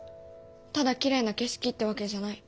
ただきれいな景色ってわけじゃない。